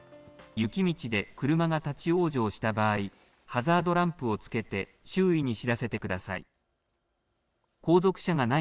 雪道で車が立往生した場合ハザードランプをつけて周囲に知らせてください。